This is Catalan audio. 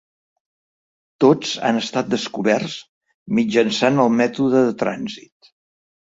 Tots han estat descoberts mitjançant el mètode de trànsit.